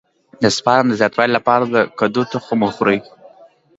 د سپرم د زیاتوالي لپاره د کدو تخم وخورئ